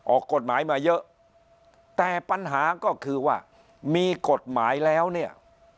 ออกกฎหมายมาเยอะแต่ปัญหาก็คือว่ามีกฎหมายแล้วเนี่ย